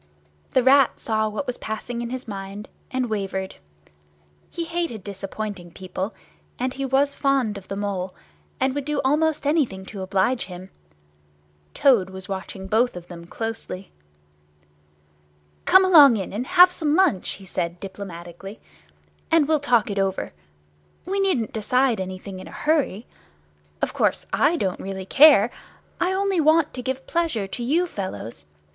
The Rat saw what was passing in his mind, and wavered. He hated disappointing people, and he was fond of the Mole, and would do almost anything to oblige him. Toad was watching both of them closely. "Come along in, and have some lunch," he said, diplomatically, "and we'll talk it over. We needn't decide anything in a hurry. Of course, I don't really care. I only want to give pleasure to you fellows.